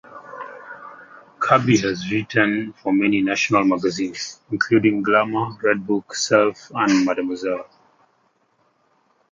Kirby has written for many national magazines, including "Glamour", "Redbook", "Self" and "Mademoiselle".